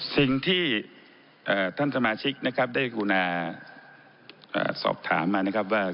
สิ่งที่ท่านสมาชิกนะครับได้กรุณาสอบถามมานะครับว่า